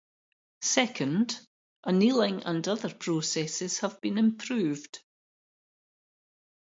Second, annealing and other processes have been improved.